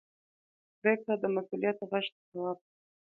پرېکړه د مسؤلیت غږ ته ځواب ده.